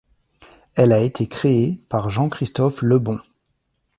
Elle a été créée par Jean Christophe Lebon.